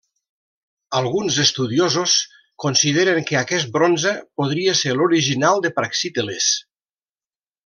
Alguns estudiosos consideren que aquest bronze podria ser l'original de Praxíteles.